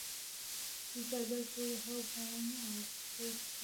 دوی په آزاده توګه هغه بیان او خپور کړي.